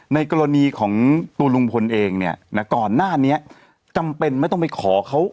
ในกรณีของตัวลุงพลเองเนี่ยนะก่อนหน้านี้จำเป็นไม่ต้องไปขอเขา